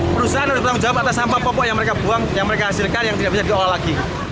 perusahaan harus bertanggung jawab atas sampah popok yang mereka buang yang mereka hasilkan yang tidak bisa diolah lagi